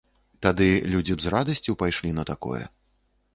Тады людзі б з радасцю пайшлі на такое.